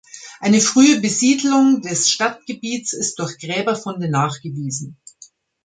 Eine frühe Besiedlung des Stadtgebiets ist durch Gräberfunde nachgewiesen.